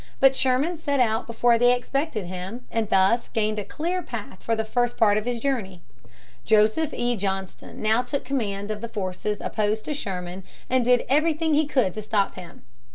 But Sherman set out before they expected him, and thus gained a clear path for the first part of his journey. Joseph E. Johnston now took command of the forces opposed to Sherman and did everything he could to stop him.